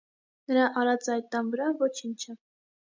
Նրա արածը այդ տան վրա ոչինչ է։